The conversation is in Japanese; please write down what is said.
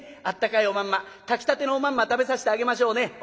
あったかいおまんま炊きたてのおまんま食べさせてあげましょうね」。